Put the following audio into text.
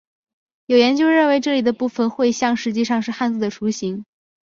有研究认为这里的部分绘像实际上是汉字的雏形。